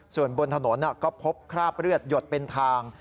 ส่วนบนถนนก็พบคราบเลือดหยดเป็นทาง